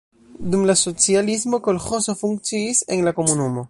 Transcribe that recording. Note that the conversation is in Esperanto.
Dum la socialismo kolĥozo funkciis en la komunumo.